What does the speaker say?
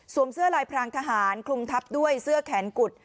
เสื้อลายพรางทหารคลุมทับด้วยเสื้อแขนกุด